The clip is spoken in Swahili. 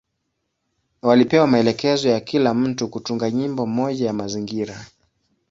Walipewa maelekezo ya kila mtu kutunga nyimbo moja ya mazingira.